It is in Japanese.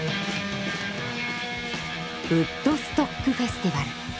ウッドストック・フェスティバル。